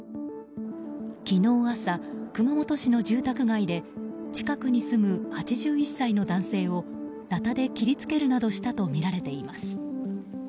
昨日朝、熊本市の住宅街で近くに住む８１歳の男性をなたで切りつけるなどしたとみられています。